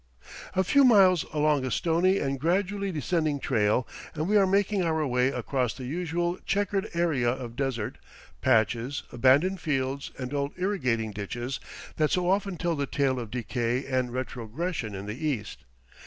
A few miles along a stony and gradually descending trail, and we are making our way across the usual chequered area of desert, patches, abandoned fields, and old irrigating ditches that so often tell the tale of decay and retrogression in the East.